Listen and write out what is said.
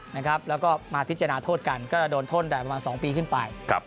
แล้วก็มาพิจารณาโทษกันก็จะโดนโทษแต่ประมาณ๒ปีขึ้นไป